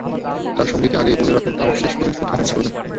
তাই সঙ্গীকে আগেই বলে রাখুন, তাওয়াফ শেষ করে কোথায় নামাজ পড়বেন।